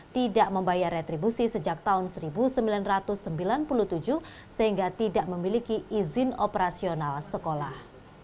tidak membayar retribusi sejak tahun seribu sembilan ratus sembilan puluh tujuh sehingga tidak memiliki izin operasional sekolah